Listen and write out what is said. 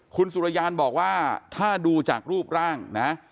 คุณสุรยานบอกว่าถ้าดูจากรูปร่างนะ